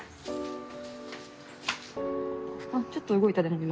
あっちょっと動いたでも今。